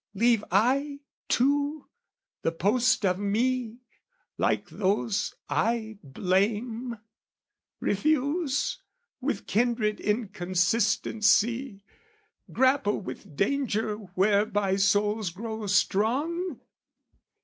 leave I, too, the post of me, like those I blame? Refuse, with kindred inconsistency, Grapple with danger whereby souls grow strong?